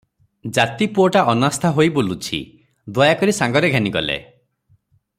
ଜାତିପୁଅଟା ଅନାସ୍ଥା ହେଇ ବୁଲୁଛି, ଦୟାକରି ସାଙ୍ଗରେ ଘେନିଗଲେ ।